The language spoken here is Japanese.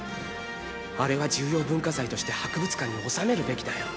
あれは重要文化財として博物館に収めるべきだよ。